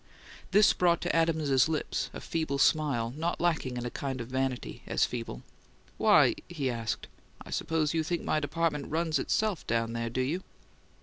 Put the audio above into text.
This brought to Adams's lips a feeble smile not lacking in a kind of vanity, as feeble. "Why?" he asked. "I suppose you think my department runs itself down there, do you?"